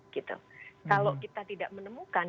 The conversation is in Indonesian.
kalau kita tidak menemukan